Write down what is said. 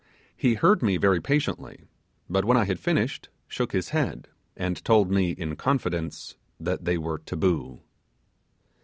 He heard me very patiently; but when I had finished, shook his head, and told me in confidence that they were 'taboo'.